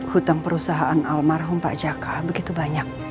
hutang perusahaan almarhum pak jaka begitu banyak